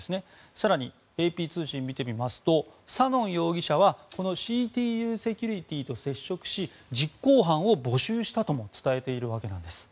更に、ＡＰ通信を見てみますとサノン容疑者はＣＴＵセキュリティーと接触し実行犯を募集したとも伝えているわけなんです。